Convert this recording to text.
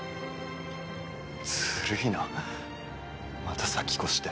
ずるいな、また先越して。